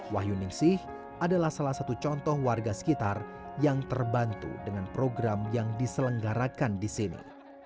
wahyu ningsih adalah salah satu contoh warga sekitar yang terbantu dengan program yang diselenggarakan di sini